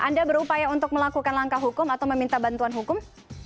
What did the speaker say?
anda berupaya untuk melakukan langkah hukum atau meminta bantuan hukum